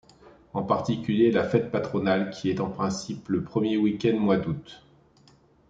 En particulier la fête patronale qui est en principe le premier week-end mois d'août.